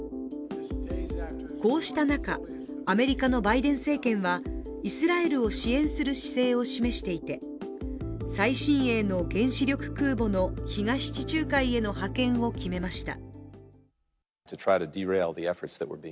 こうした中、アメリカのバイデン政権はイスラエルを支援する姿勢を示していて最新鋭の原子力空母の東地中海への派遣を決めました。